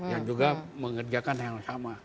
yang juga mengerjakan hal yang sama